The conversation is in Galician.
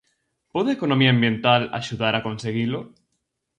Pode a Economía Ambiental axudar a conseguilo?